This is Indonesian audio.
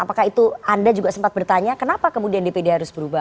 apakah itu anda juga sempat bertanya kenapa kemudian dpd harus berubah